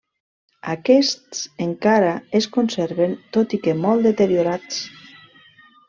Aquests encara es conserven, tot i que molt deteriorats.